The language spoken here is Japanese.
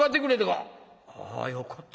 あよかった。